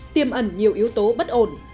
tiêm ẩn nhiều yếu tố bất ổn